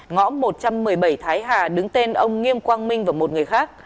ngõ một trăm một mươi bảy thái hà